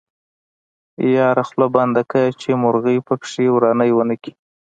يره خوله بنده که چې مرغۍ پکې ورانی ونکي.